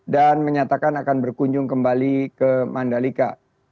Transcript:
dan menyatakan akan berkunjung kembali ke mandalika